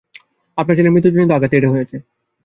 আপনার ছেলের মৃত্যুজনিত আঘাতে এটা হয়েছে।